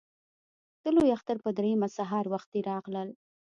د لوی اختر په درېیمه سهار وختي راغلل.